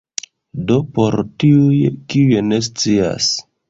Do por tiuj, kiuj ne scias